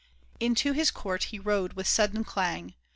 Into his court he rode with sudden clang.